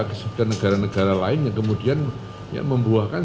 ke negara negara lain yang kemudian membuahkan